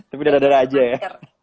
tapi dadah dadah aja ya